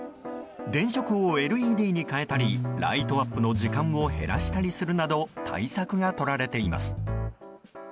電飾をＬＥＤに変えたりライトアップの時間を減らしたりするなど対策がとられています。